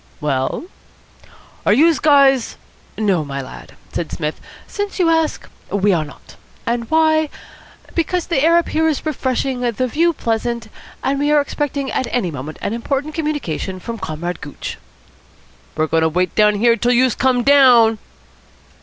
"Well?" "Are youse guys ?" "No, my lad," said Psmith, "since you ask, we are not. And why? Because the air up here is refreshing, the view pleasant, and we are expecting at any moment an important communication from Comrade Gooch." "We're goin' to wait here till youse come down."